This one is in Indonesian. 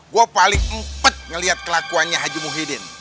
gue paling empet ngeliat kelakuannya haji muhyiddin